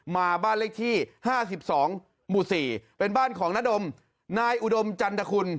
มาบ้านเลขที่๕๒หมู่๔เป็นบ้านของนาดมนายอุดมจันทคุณ